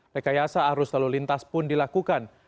rekayasa arus lalu lintas pun dilakukan